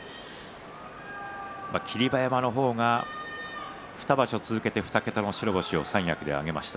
霧馬山の方が２場所続けて２桁の白星を三役で挙げました。